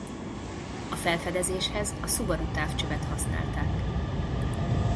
A felfedezéshez a Subaru távcsövet használták.